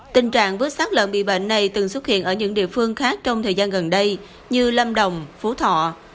tình trạng vứt sát lợn bị bệnh này từng xuất hiện ở những địa phương khác trong thời gian gần đây như lâm đồng phú thọ